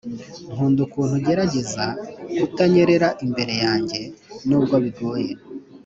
nkunda ukuntu ugerageza kutanyerera imbere yanjye, nubwo bigoye.